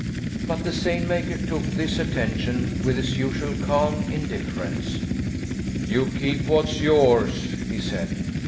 But the seine maker took this attention with his usual calm indifference. "You keep what's yours," he said.